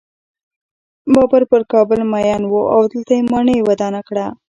بابر پر کابل مین و او دلته یې ماڼۍ ودانه کړه.